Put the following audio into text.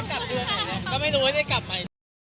ก็ไม่รู้ว่าจะได้กลับไป